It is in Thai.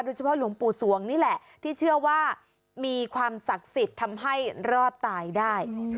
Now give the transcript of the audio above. หลวงปู่สวงนี่แหละที่เชื่อว่ามีความศักดิ์สิทธิ์ทำให้รอดตายได้